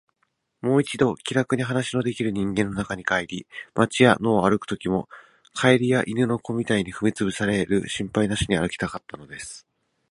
もう一度、気らくに話のできる人間の中に帰り、街や野を歩くときも、蛙や犬の子みたいに踏みつぶされる心配なしに歩きたかったのです。